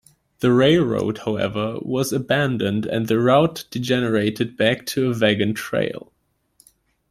The railroad, however, was abandoned, and the route degenerated back to a wagon trail.